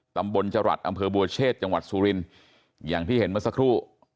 ตำบลจรัสอำเภอบัวเชษจังหวัดสุรินทร์อย่างที่เห็นเมื่อสักครู่